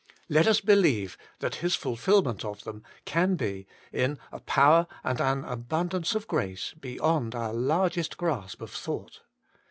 Let us believe that His fulfilment of them can be, in a power and an abundance of grace, beyond our largest grasp of thought.